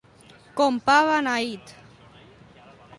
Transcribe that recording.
Com pa beneït.